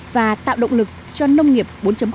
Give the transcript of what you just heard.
và tạo động lực cho nông nghiệp bốn